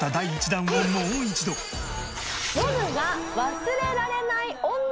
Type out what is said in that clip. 忘れられない女？